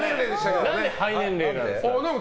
何で肺年齢なんですか？